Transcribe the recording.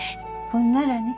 ほんならね。